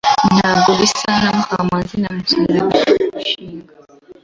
Ntabwo bisa na Mukamanzi na Musonera bagiye kurushinga.